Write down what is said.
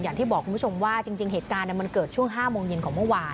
อย่างที่บอกคุณผู้ชมว่าจริงเหตุการณ์มันเกิดช่วง๕โมงเย็นของเมื่อวาน